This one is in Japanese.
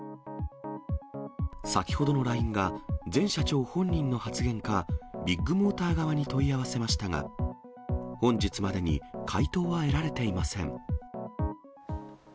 先ほどのＬＩＮＥが前社長本人の発言か、ビッグモーター側に問い合わせましたが、本日までに回答は得られていません。